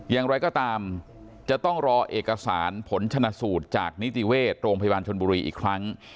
อย่างไรก็ตามจะต้องรอเอกสารผลชนะสูตรจากนิติเวชโรงพยาบาลชนบุรีอีกครั้ง